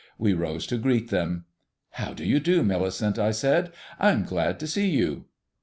We rose to greet them. "How do you do, Millicent?" I said. "I'm glad to see you."